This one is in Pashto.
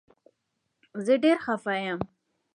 زه ډير خفه يم